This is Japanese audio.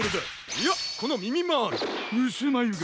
いやこのみみまーる！うすまゆが！